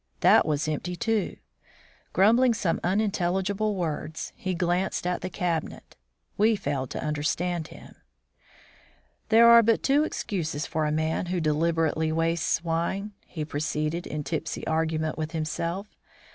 That was empty, too. Grumbling some unintelligible words, he glanced at the cabinet. We failed to understand him. "There are but two excuses for a man who deliberately wastes wine," he proceeded, in tipsy argument with himself.